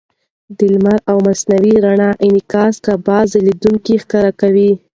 د لمر او مصنوعي رڼا انعکاس کعبه ځلېدونکې ښکاره کوي.